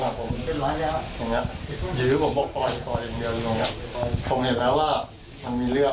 อย่างเงี้ยอย่างเงี้ยอย่างเงี้ยผมเห็นแล้วว่ามันมีเลือด